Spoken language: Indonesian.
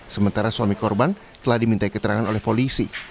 sementara suami korban telah diminta keterangan oleh polisi